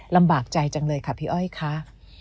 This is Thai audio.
ลำบากใจจังเลยค่ะพี่อ้อยค่ะ